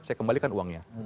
saya kembalikan uangnya